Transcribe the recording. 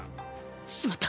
しまった！